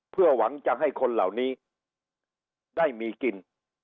เพื่อหวังจะให้คนเหล่านี้ได้มีกิน